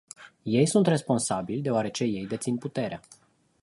Ei sunt responsabili, deoarece ei dețin puterea.